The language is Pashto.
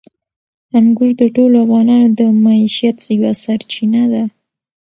انګور د ټولو افغانانو د معیشت یوه سرچینه ده.